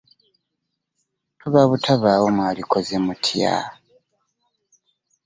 Tuba butabaawo mwandikoze mutya?